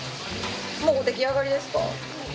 もうできあがりですか？